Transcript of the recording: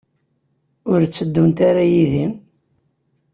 Ur tteddunt ara yid-i?